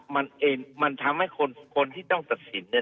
ว่ามันทำให้คนที่ต้องตัดสิน